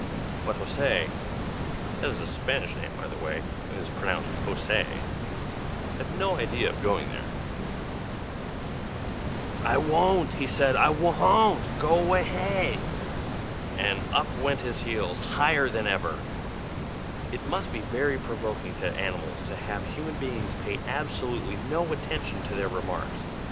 But José (that is a Spanish name, by the way, and is pronounced Hosay,) had no idea of going there. [Illustration: JOSÉ OPENING THE GATE.] "I wont!" he said. "I wo hon't! go away hay!" and up went his heels, higher than ever. It must be very provoking to animals to have human beings pay absolutely no attention to their remarks.